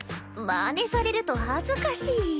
まねされると恥ずかしい。